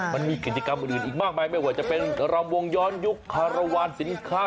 มันมีกิจกรรมอื่นอีกมากมายไม่ว่าจะเป็นรำวงย้อนยุคคารวาลสินค้า